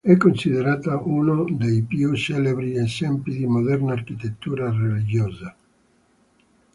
È considerata uno dei più celebri esempi di moderna architettura religiosa.